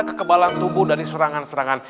kekebalan tubuh dari serangan serangan